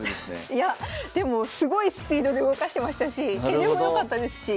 いやでもすごいスピードで動かしてましたし手順も良かったですし。